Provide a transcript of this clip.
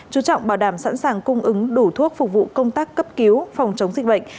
chú trọng bảo đảm sẵn sàng cung ứng đủ thuốc phục vụ công tác cấp cứu phòng chống dịch bệnh